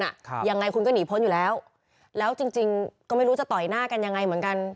ครับยังไงคุณก็หนีพ้นอยู่แล้วแล้วจริงจริงก็ไม่รู้จะต่อยหน้ากันยังไงเหมือนกัน